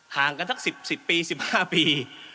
ห่างกันสัก๑๐ปี๑๕ปี